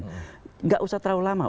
tidak usah terlalu lama